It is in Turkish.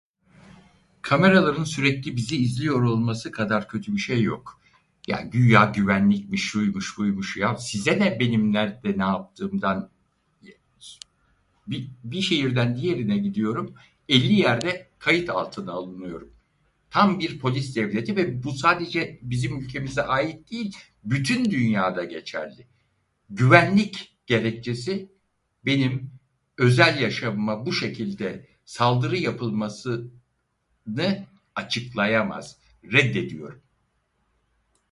Kameraların sürekli bizi izliyor olması kadar kötü bir şey yok. Ya güya güvenlikmiş, şuymuş buymuş, ya size ne benim nerde ne yaptığımdan! Bi- Bi şehirden diğerine gidiyorum, elli yerde kayıt altına alınıyorum. Tam bir polis devleti ve bu sadece bizim ülkemize ait değil, bütün dünyada geçerli. Güvenlik gerekçesi benim özel yaşamıma bu şekilde saldırı yapılması- nı açıklayamaz. Reddediyorum!